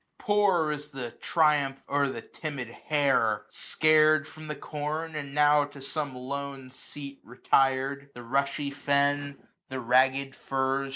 400 Poor is the triumph o*er the timid hare, ScarM from the corn, and now to some lone seat Retir'd : the rushy fen ; the ragged furze.